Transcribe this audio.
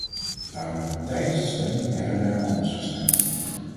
Daarom heb ik tijdens de stemming her en der anders gestemd.